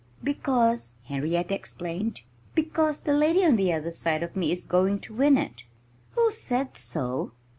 "Because " Henrietta explained "because the lady on the other side of me is going to win it." "Who said so?"